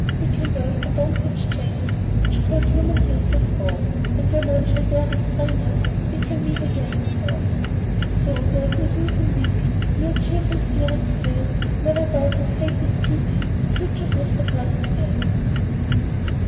We can burst the bonds which chain us, Which cold human hands have wrought, And where none shall dare restrain us We can meet again, in thought. So there's no use in weeping, Bear a cheerful spirit still; Never doubt that Fate is keeping Future good for present ill!